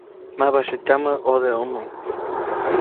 Mabasyätyamä ʼodeʼomo.